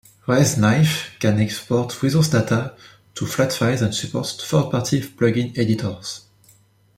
ResKnife can export resource data to flat files and supports third-party plug-in editors.